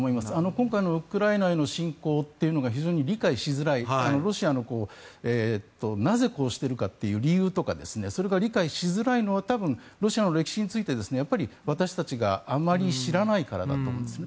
今回のウクライナへの侵攻というのが非常に理解しづらいロシアのなぜ、こうしているかっていう理由とかそれが理解しづらいのは多分、ロシアの歴史について私たちがあまり知らないからだと思うんですね。